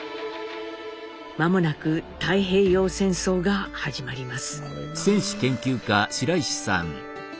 間もなく太平洋戦争が始まります。